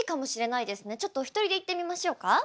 ちょっとお一人で言ってみましょうか？